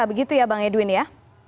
begitu ya bang edwin ya